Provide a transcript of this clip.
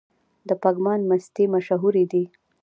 د پګمان مستې مشهورې دي؟